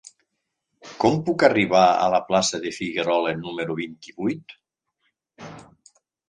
Com puc arribar a la plaça de Figuerola número vint-i-vuit?